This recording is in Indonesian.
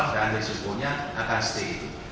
dan resiko nya akan stay